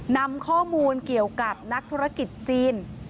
นำข้อมูลเกี่ยวกับนักธุรกิจจีน